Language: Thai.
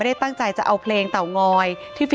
ตรงเนี่ยที่คุณจินตราเขาแปะลิงก์เอาไว้เนี่ย